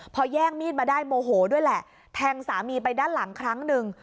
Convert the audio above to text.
พอแย่งมีดมาได้โมโหด้วยแหละแทงสามีไปด้านหลังครั้งหนึ่ง